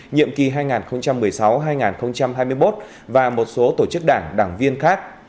nhiệm kỳ hai nghìn một mươi sáu hai nghìn hai mươi một và một số tổ chức đảng đảng viên khác